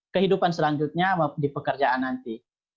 kehidupan selanjutnya di pekerjaan nanti